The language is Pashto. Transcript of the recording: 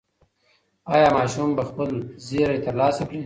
ایا ماشوم به خپل زېری ترلاسه کړي؟